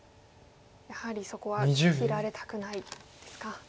やはりそこは切られたくないですか。